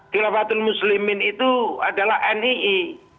khilafatul muslimin itu adalah nii